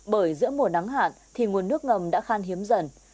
bởi giữa mùa nắng hạn thì nguồn nước ngầm đã khan hiếm dần